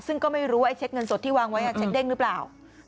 ซึ่งก็ไม่รู้ว่าไอ้เช็คเงินสดที่วางไว้เช็คเด้งหรือเปล่า